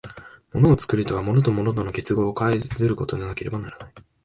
物を作るとは、物と物との結合を変ずることでなければならない。